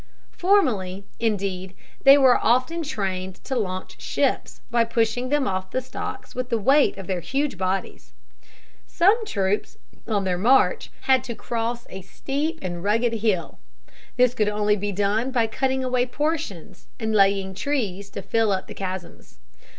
Formerly, indeed, they were often trained to launch ships, by pushing them off the stocks with the weight of their huge bodies. Some troops, on their march, had to cross a steep and rugged hill. This could only be done by cutting away portions, and laying trees to fill up the chasms.